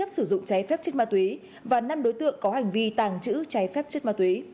sử dụng cháy phép chất ma túy và năm đối tượng có hành vi tàng trữ trái phép chất ma túy